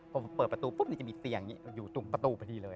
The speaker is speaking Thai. พอเปิดประตูปุ๊บจะมีเตียงอยู่ตรงประตูพอดีเลย